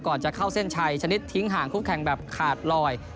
จะเข้าเส้นชัยชนิดทิ้งห่างคู่แข่งแบบขาดลอย